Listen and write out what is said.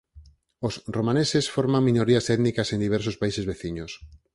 Os romaneses forman minorías étnicas en diversos países veciños.